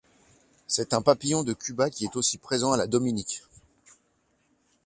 C'est un papillon de Cuba qui est aussi présent à la Dominique.